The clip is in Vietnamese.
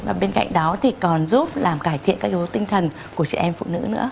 và bên cạnh đó thì còn giúp làm cải thiện các tinh thần của chị em phụ nữ nữa